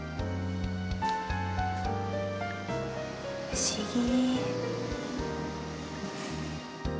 不思議。